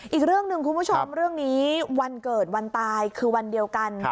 อีกเรื่องหนึ่งคุณผู้ชมเรื่องนี้วันเกิดวันตายคือวันเดียวกัน